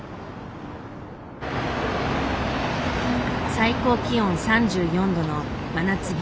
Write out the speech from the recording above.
最高気温３４度の真夏日。